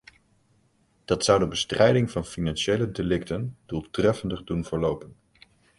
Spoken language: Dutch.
Dat zou de bestrijding van financiële delicten doeltreffender doen verlopen.